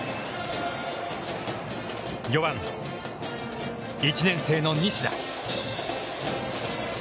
４番、１年生の西田。